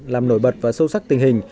làm nổi bật và sâu sắc tình hình